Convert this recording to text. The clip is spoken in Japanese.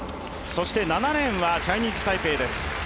そして７レーンはチャイニーズタイペイです。